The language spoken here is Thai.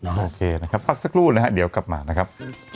โอเคนะครับพักสักครู่นะฮะเดี๋ยวกลับมานะครับ